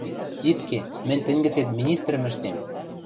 — ит ке, мӹнь тӹнь гӹцет министрӹм ӹштем.